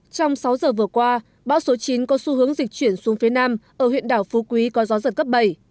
trong sáu giờ vừa qua bão số chín có xu hướng dịch chuyển xuống phía nam ở huyện đảo phú quý có gió giật cấp bảy